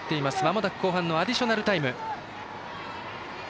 まもなく後半のアディショナルタイム。